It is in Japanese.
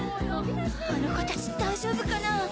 あの子たち大丈夫かな。